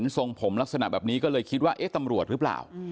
ทรงผมลักษณะแบบนี้ก็เลยคิดว่าเอ๊ะตำรวจหรือเปล่า